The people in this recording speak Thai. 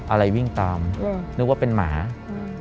อะไรวิ่งตามอืมนึกว่าเป็นหมาอืม